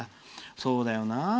そうだよな。